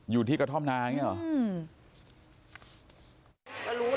อยู่ที่กระท่อมนาอย่างนี้หรอ